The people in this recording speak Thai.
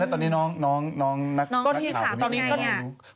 แล้วตอนนี้น้องนักข่าวนี่เท่าไหร่